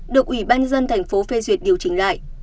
được ủy ban dân thành phố phê duyệt điều chỉnh lại